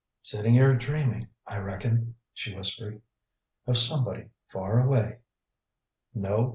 "Sitting here dreaming, I reckon," she whispered, "of somebody far away." "No."